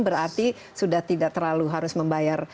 berarti sudah tidak terlalu harus membayar